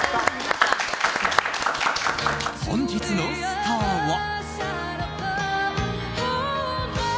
本日のスターは。